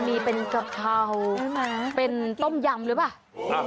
มีเป็นกระเพราเป็นต้มยำด้วยป่ะ